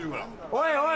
おいおい！